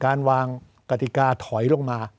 การวางกติกาถอยลงมา